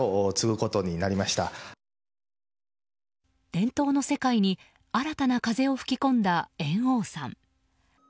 伝統の世界に新たな風を吹き込んだ猿翁さん。